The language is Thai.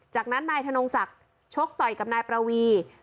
จากนั้นนายธนงศักดิ์ชกต่อยกับนายประวี